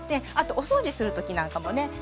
あとお掃除する時なんかもね